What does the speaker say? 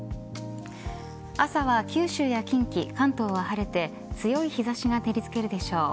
朝は九州や近畿、関東は晴れて強い日差しが照りつけるでしょう。